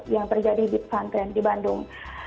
yang terjadi di pesantren di bandung